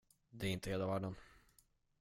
Det är inte hela världen.